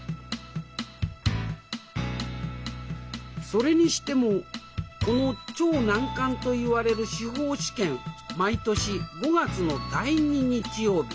それにしてもこの超難関といわれる司法試験毎年５月の第２日曜日